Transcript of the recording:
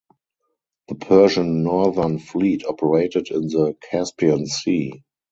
The Persian northern fleet operated in the Caspian Sea.